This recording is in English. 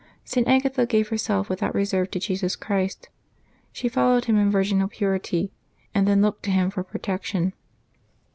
St. Agatha gave herself without reserve to Jesus Christ ; she followed Him in virginal purity, and then looked to Him for protection.